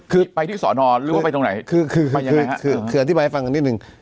คือไปที่สอนอหรือว่าไปตรงไหนคือคืออธิบายให้ฟังกันนิดนึง